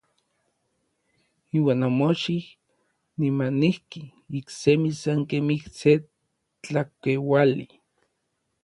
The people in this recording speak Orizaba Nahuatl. Iuan omochij nimanijki iksemi san kemij se tlakeuali.